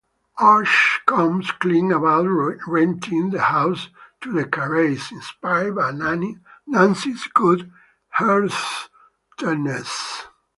Osh comes clean about renting the house to the Careys, inspired by Nancy's good-heartedness.